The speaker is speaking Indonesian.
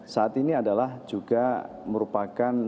saat ini adalah juga merupakan